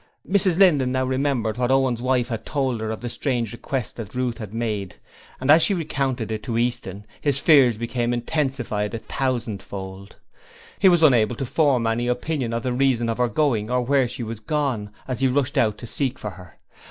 Mrs Linden now remembered what Owen's wife had told her of the strange request that Ruth had made, and as she recounted it to Easton, his fears became intensified a thousandfold. He was unable to form any opinion of the reason of her going or of where she had gone, as he rushed out to seek for her.